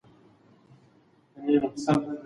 د ليري، ليري څه چي